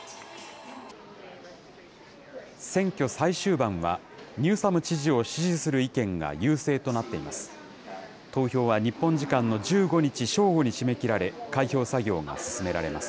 選挙最終盤はニューサム知事を支持する意見が優勢となっています。